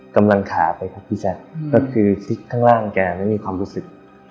กำลังขาไปครับพี่แจ๊คก็คือซิกข้างล่างแกไม่มีความรู้สึก